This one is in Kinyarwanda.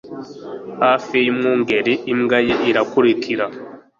Hafi yumwungeri imbwa ye irakurikira